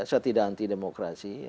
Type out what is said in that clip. saya tidak anti demokrasi